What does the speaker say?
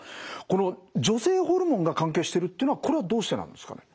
この女性ホルモンが関係してるっていうのはこれはどうしてなんですかね？